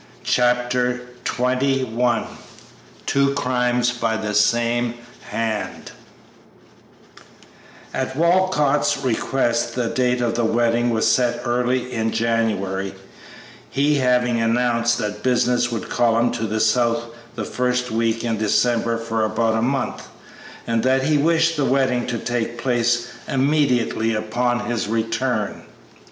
Chapter XXI TWO CRIMES BY THE SAME HAND At Walcott's request the date of the wedding was set early in January, he having announced that business would call him to the South the first week in December for about a month, and that he wished the wedding to take place immediately upon his return.